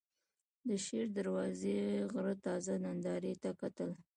د شېر دروازې غره تازه نندارې ته کتل.